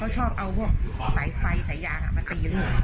ชอบเอาพวกสายไฟสายยางมาตีลูก